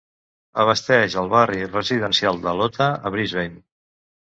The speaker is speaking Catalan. Abasteix el barri residencial de Lota a Brisbane.